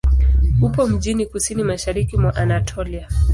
Upo mjini kusini-mashariki mwa Anatolia.